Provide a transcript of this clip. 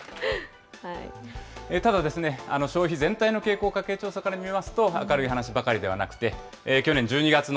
ただですね、消費全体の傾向を、家計調査から見ますと、明るい話ばかりではなくて、去年１２月の